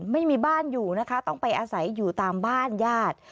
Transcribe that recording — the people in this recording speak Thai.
ไม่มีบ้านอยู่นะคะต้องไปอาศัยอยู่ตามบ้านญาติ